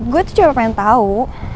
gue tuh cuma pengen tahu